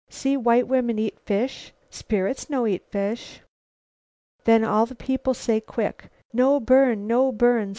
See white woman eat fish. Spirits no eat fish.' "Then all the people say quick, 'No burn! No burn!'